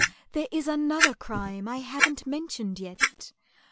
there is another crime I haven't mentioned yet!